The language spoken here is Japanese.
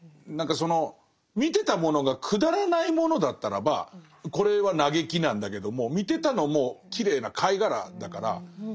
何かその見てたものがくだらないものだったらばこれは嘆きなんだけども見てたのもきれいな貝がらだから。